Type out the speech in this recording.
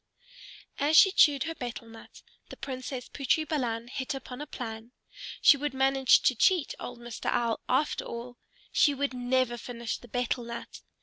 As she chewed her betel nut the Princess Putri Balan hit upon a plan. She would manage to cheat old Mr. Owl after all. She would never finish the betel nut!